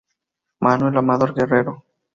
Manuel Amador Guerrero.